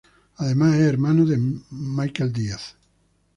Además, es hermano de Michael Díaz.